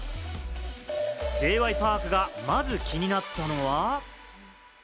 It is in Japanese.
Ｊ．Ｙ．Ｐａｒｋがまず気になったのは。